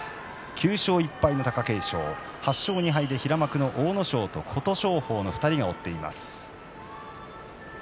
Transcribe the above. ９勝１敗貴景勝は８勝２敗で平幕の阿武咲と琴勝峰の２人が追っています。